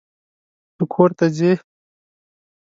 ته کورته ځې؟